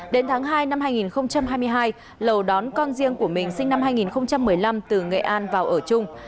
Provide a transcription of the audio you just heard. đến tháng hai năm hai nghìn hai mươi hai lầu đón con riêng của mình sinh năm hai nghìn một mươi năm từ nghệ an vào ở chung